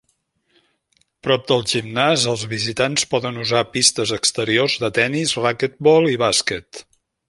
Prop del gimnàs, els visitants poden usar pistes exteriors de tenis, raquetbol i bàsquet.